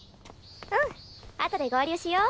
うんあとで合流しよ。